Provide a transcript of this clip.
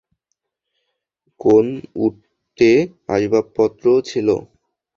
কোন উটে আসবাবপত্রও ছিল।